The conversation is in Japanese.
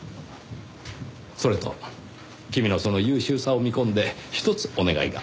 それと君のその優秀さを見込んでひとつお願いが。